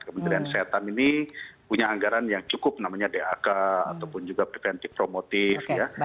kementerian kesehatan ini punya anggaran yang cukup namanya dak ataupun preventive promotive